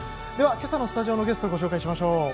では、今朝のスタジオのゲストご紹介しましょう。